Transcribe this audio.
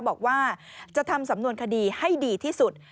บอกว่าจะทำสำนวนคดีให้ดีที่สุด